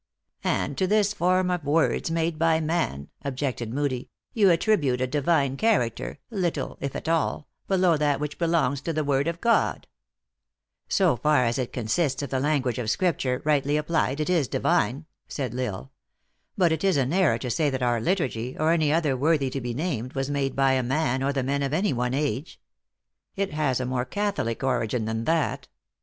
" And to this form of words, made by man," ob jected Moodie, " you attribute a divine character, little, if at all, below that which belongs to the word of God." THE ACTRESS IN HIGH LIFE. 213 " So far as it consists of the language of Scripture, rightly applied, it is divine," said L Isle. " But it is an error to say that our liturgy, or any other worthy to be named, was made by a man, or the men of any one age. It has a more catholic origin than that.